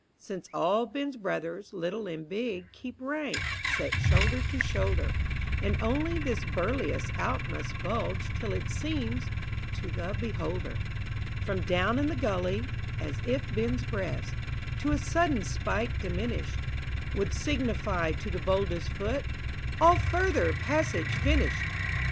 83 Since all Ben's brothers Little and big Keep rank, set shoulder to shoulder, And only this burliest out must bulge Till it seems to the behold >r From down in the gully, — as if Ben's breast, To a Budden spike diminished, Would signify to the boldest foot "All further passage finished!"